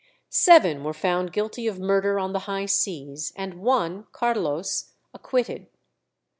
Seven were found guilty of murder on the high seas, and one, Carlos, acquitted.